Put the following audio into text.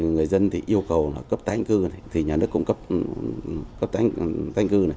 người dân yêu cầu cấp tanh cư nhà nước cũng cấp tanh cư